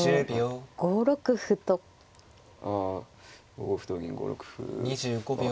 ５五歩同銀５六歩まあ